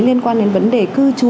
liên quan đến vấn đề cư trú